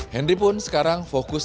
henry pun sekarang fokus